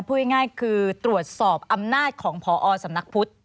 พูดง่ายคือตรวจสอบอำนาจของพอสำนักพุทธ